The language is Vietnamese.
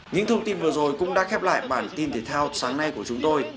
những thông tin vừa rồi cũng đã khép lại bản tin thể thao sáng nay của chúng tôi